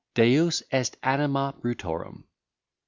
_Deus est anima brutorum.